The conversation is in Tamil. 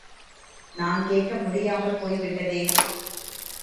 நான் கேட்க முடியாமல் போய்விட்டதே!